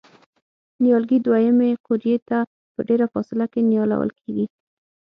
نیالګي دوه یمې قوریې ته په ډېره فاصله کې نیالول کېږي.